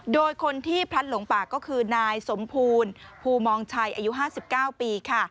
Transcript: โดยคนที่พลัดหลงป่าก็คือนายสมภูลภูมองชัยอายุ๕๙ปี